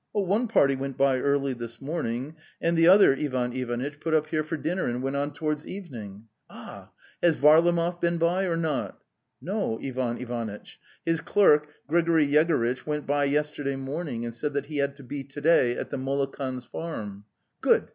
'One party went by early this morning, and the The Steppe 191 other, Ivan Ivanitch, put up here for dinner and went on towards evening." " Ah! ... Has Varlamov been by or not? " "No, Ivan Ivanitch. His clerk, Grigory Yegor itch, went by yesterday morning and said that he had to be to day at the Molokans' farm." 'Good!